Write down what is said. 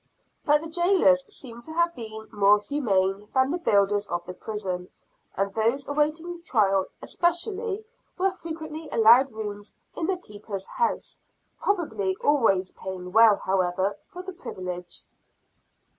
But the jailers seem to have been more humane than the builders of the prison; and those awaiting trial, especially, were frequently allowed rooms in the Keeper's house probably always paying well, however, for the privilege.